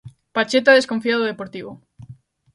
Pacheta desconfía do Deportivo.